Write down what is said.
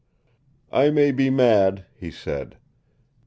"I may be mad," he said.